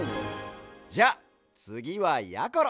じゃあつぎはやころ！